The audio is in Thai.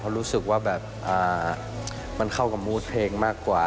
เพราะรู้สึกว่ามันเข้ากับมูลเพลงมากกว่า